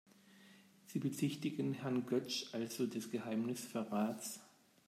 Sie bezichtigen Herrn Götsch also des Geheimnisverrats?